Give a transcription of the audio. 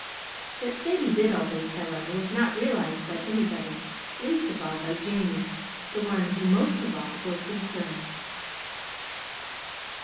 That Sadie did all this, however, was not realized by anybody, least of all by Jamie, the one who most of all was concerned.